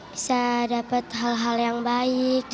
bisa dapat hal hal yang baik